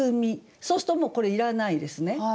そうするともうこれいらないですね。